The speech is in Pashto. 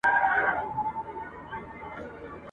اور ته خپل او پردی یو دی ..